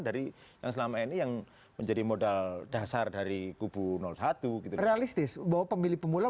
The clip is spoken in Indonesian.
dari yang selama ini yang menjadi modal dasar dari kubu satu gitu realistis bahwa pemilih pemula